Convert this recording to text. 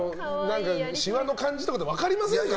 しわの感じとかで分かりませんか？